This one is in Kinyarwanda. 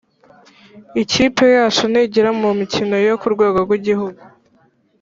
ikipe yacu ntigera mu mikino yo ku rwego rw’igihugu